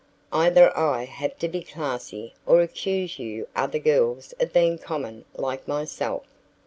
Either I have to be classy or accuse you other girls of being common like myself."